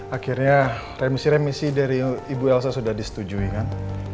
akhirnya remisi remisi dari ibu elsa sudah disetujui kan